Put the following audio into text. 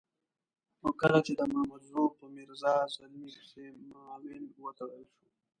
خو کله چې د مامدزو په میرزا زلمي پسې معاون وتړل شو.